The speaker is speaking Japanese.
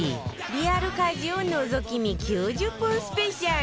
リアル家事をのぞき見９０分スペシャル